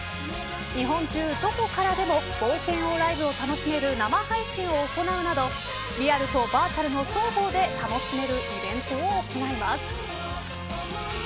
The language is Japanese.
日本中どこからでも冒険王ライブを楽しめる生配信を行うなどリアルとバーチャルの双方で楽しめるイベントを行います。